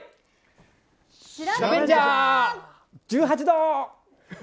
１８度！